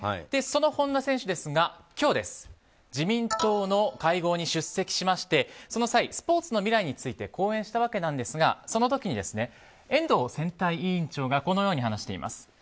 その本田選手ですが、今日自民党の会合に出席しましてその際、スポーツの未来について講演したわけですがその時に、遠藤選対委員長がこのように話しています。